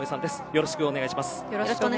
よろしくお願いします。